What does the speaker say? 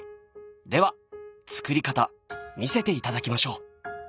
では作り方見せていただきましょう。